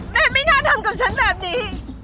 แม่ไม่น่าทำกับฉันแบบนี้